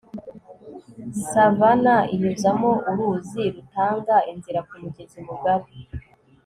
savanna inyuzamo uruzi rutanga inzira kumugezi mugari